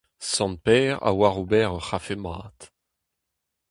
Sant-Pêr a oar ober ur c'hafe mat.